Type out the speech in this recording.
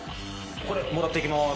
これもらっていきまーす。